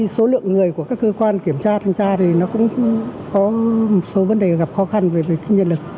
số lượng người của các cơ quan kiểm tra thanh tra thì nó cũng có một số vấn đề gặp khó khăn về nhân lực